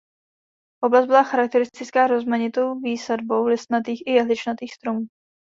Oblast byla charakteristická rozmanitou výsadbou listnatých i jehličnatých stromů.